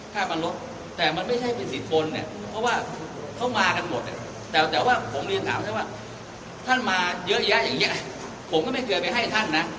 ช่วยให้ชิคกี้พายใช่ไหมถูกไหม